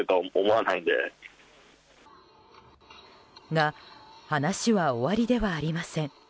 が、話は終わりではありません。